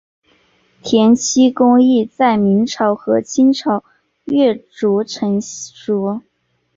填漆工艺在明朝和清朝越趋成熟。